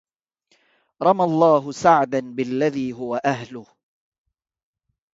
رمى الله سعدا بالذي هو أهله